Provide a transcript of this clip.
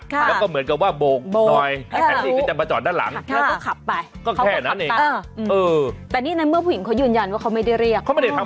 แล้วก็เหมือนกับว่าโบกหน่อยแท็กซี่ก็จะมาจอดด้านหลัง